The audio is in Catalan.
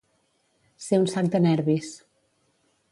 Ser un sac de nervis.